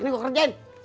ini gue kerjain